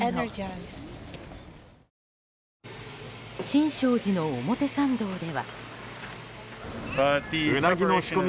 新勝寺の表参道では。